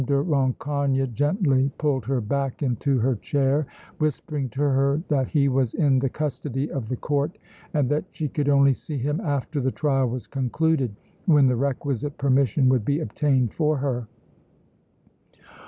de Rancogne gently pulled her back into her chair, whispering to her that he was in the custody of the Court and that she could only see him after the trial was concluded, when the requisite permission would be obtained for her.